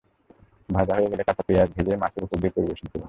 ভাজা হয়ে গেলে কাঁচা পেঁয়াজ ভেজে মাছের ওপর দিয়ে পরিবেশন করুন।